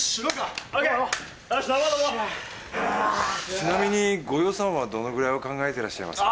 ちなみにご予算はどのくらいを考えてらっしゃいますか？